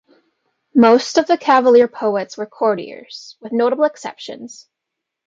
Most of the cavalier poets were courtiers, with notable exceptions.